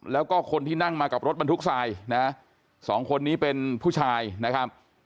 แล้วก็คนที่นั่งมากับรถบรรทุกทรายนะสองคนนี้เป็นผู้ชายนะครับ